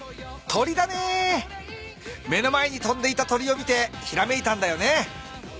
目の前にとんでいた鳥を見てひらめいたんだよね。